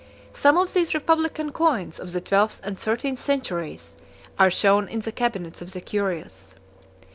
Some of these republican coins of the twelfth and thirteenth centuries are shown in the cabinets of the curious.